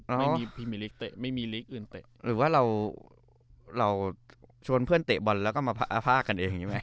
ไม่มีพรีมิลิกเตะไม่มีลีกอื่นเตะหรือว่าเราเราชวนเพื่อนเตะบอลแล้วก็มาพากกันเองอย่างนี้ไหม